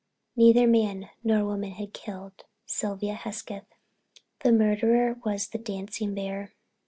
Neither man nor woman had killed Sylvia Hesketh. The murderer was the dancing bear.